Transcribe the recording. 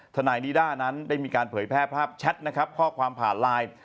ธนายนีร่านั้นได้มีการเผยแพร่ภาพแชทข้อความผ่านไลน์